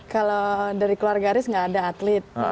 kalau dari keluarga aris nggak ada atlet